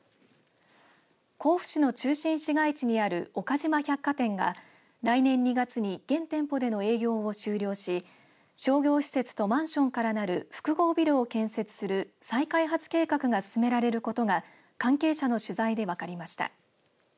甲府市の中心市街地にある岡島百貨店が来年２月に現店舗での営業を終了し商業施設とマンションからなる複合ビルを建設する再開発計画が進められることが関係者の取材で分かりました。